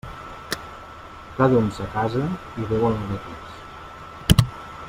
Cada u en sa casa i Déu en la de tots.